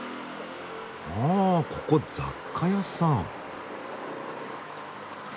ああここ雑貨屋さん。